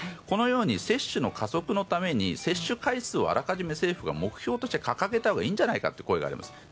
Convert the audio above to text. このように、接種の加速のために接種回数をあらかじめ政府が目標として掲げたほうがいいんじゃないかという声があります。